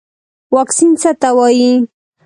واکسین څه ته وایي